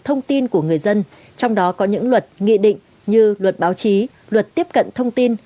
thông tin của người dân trong đó có những luật nghị định như luật báo chí luật tiếp cận thông tin